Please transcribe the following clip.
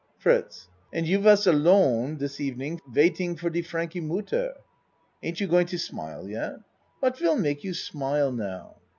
FRITZ And you was alone dis evening waiting for de Frankie mudder. Ain't you going to smile yet? Wat will make you smile now?